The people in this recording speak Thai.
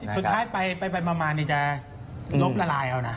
สุดท้ายไปมานี่จะล้มละลายเอานะ